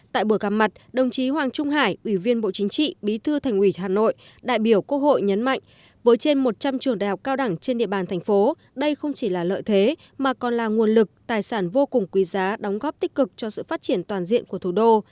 tại buổi gặp mặt đồng chí hoàng trung hải ủy viên bộ chính trị bí thư thành ủy hà nội đại biểu quốc hội nhấn mạnh với trên một trăm linh trường đại học cao đẳng trên địa bàn thành phố đây không chỉ là lợi thế mà còn là nguồn lực tài sản vô cùng quý giá đóng góp tích cực cho sự phát triển toàn diện của thủ đô